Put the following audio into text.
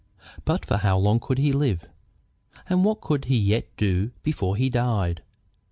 But for how long could he live? And what could he yet do before he died?